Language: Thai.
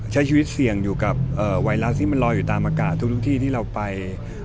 ใช้ชีวิตเสี่ยงอยู่กับไวรัสที่มันลอยอยู่ตามอากาศทุกที่ที่เราไป